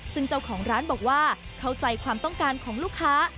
ซึ่งเจ้าของร้านบอกว่าเข้าใจความต้องการของลูกค้า